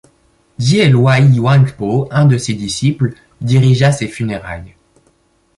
Gyelwai Wangpo, un de ses disciples, dirigea ses funérailles.